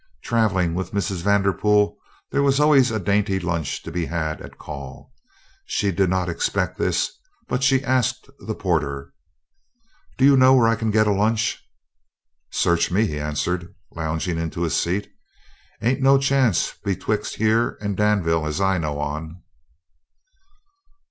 Travelling with Mrs. Vanderpool there was always a dainty lunch to be had at call. She did not expect this, but she asked the porter: "Do you know where I can get a lunch?" "Search me," he answered, lounging into a seat. "Ain't no chance betwixt here and Danville as I knows on."